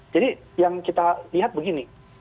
jadi yang kita lihat begini